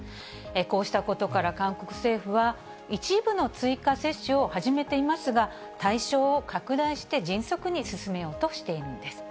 こうしたことから韓国政府は、一部の追加接種を始めていますが、対象を拡大して迅速に進めようとしているんです。